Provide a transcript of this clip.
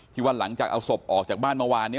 ว่าหลังจากเอาศพออกจากบ้านเมื่อวาน